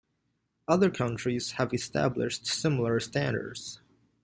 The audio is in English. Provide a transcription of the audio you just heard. Other countries have established similar standards.